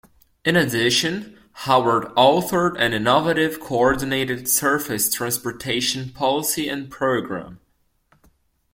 In addition, Howard authored an innovative coordinated surface transportation policy and program.